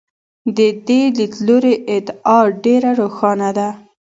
د دې لیدلوري ادعا ډېره روښانه ده.